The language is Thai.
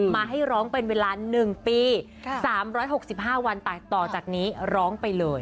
มาให้ร้องเป็นเวลา๑ปี๓๖๕วันแต่ต่อจากนี้ร้องไปเลย